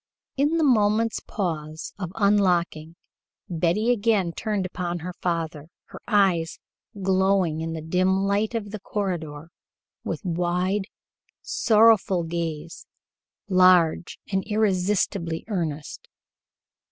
In the moment's pause of unlocking, Betty again turned upon her father, her eyes glowing in the dim light of the corridor with wide, sorrowful gaze, large and irresistibly earnest.